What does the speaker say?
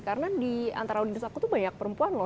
karena di antara audience aku tuh banyak perempuan loh